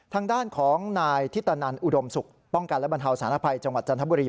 ทางด้านของนายธิตนันอุดมศุกร์ป้องกันและบรรเทาสารภัยจังหวัดจันทบุรี